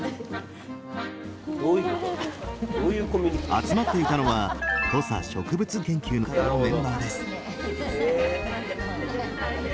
集まっていたのは土佐植物研究会のメンバーです。